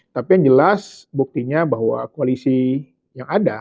tapi yang jelas buktinya bahwa koalisi yang ada